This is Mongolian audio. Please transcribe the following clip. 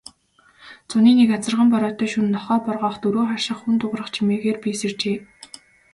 Зуны нэг азарган бороотой шөнө нохой боргоох, дөрөө харших, хүн дуугарах чимээгээр би сэржээ.